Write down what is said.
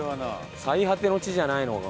最果ての地じゃないのか？